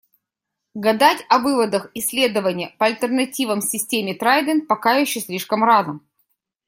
Гадать о выводах "Исследования по альтернативам системе 'Трайдент'" пока еще слишком рано.